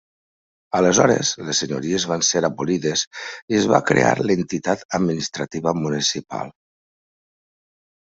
Aleshores les senyories van ser abolides i es va crear l'entitat administrativa municipal.